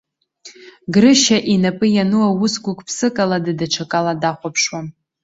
Грышьа инапы иану аус гәык-ԥсыкалада даҽакала дахәаԥшуам.